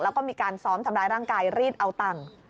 แล้วก็มีการซ้อมทำร้ายร่างกายรีดเอาตังค์